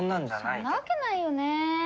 そんなわけないよね。